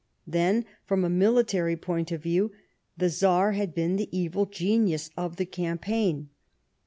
Then, from a military point of view, the Czar had been the evil genius of the cam])aign.